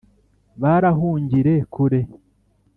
barahungire kure.